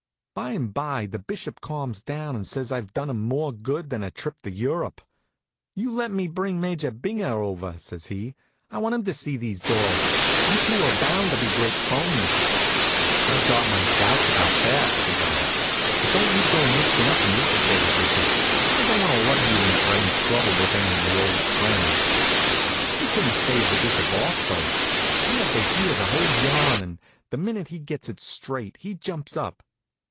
By 'm' by the Bishop calms down and says I've done him more good than a trip to Europe. "You must let me bring Major Binger over," says he. "I want him to see those dolls. You two are bound to be great cronies." "I've got my doubts about that," says I. "But don't you go to mixin' up in this affair, Bishop. I don't want to lug you in for any trouble with any of your old friends." You couldn't stave the Bishop off, though. He had to hear the whole yarn, and the minute he gets it straight he jumps up.